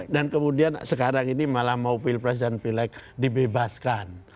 dan kemudian sekarang ini malah mau pilpres dan pileg dibebaskan